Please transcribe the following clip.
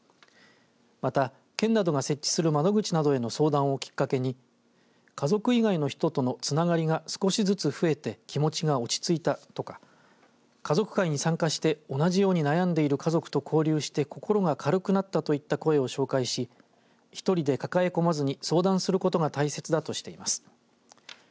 また、県などが設置する窓口などへの相談をきっかけに家族以外の人とのつながりが少しずつ増えて気持ちが落ち着いたとか家族会に参加して同じように悩んでいる家族と交流して心が軽くなったといった声を紹介し１人で抱え込まずに相談することが大切だとしています。